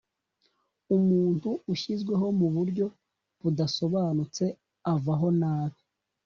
umuntu ushyizweho mu buryo budasobanutse avahonabi.